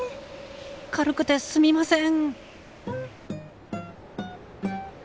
軽くてすみません！